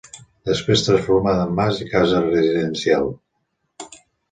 Després transformada en mas i casal residencial.